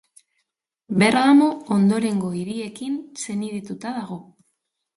Bergamo ondorengo hiriekin senidetuta dago.